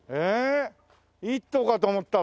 １頭かと思ったら。